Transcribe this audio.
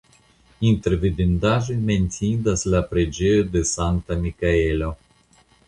Inter vidindaĵoj menciindas la preĝejo de Sankta Mikaelo.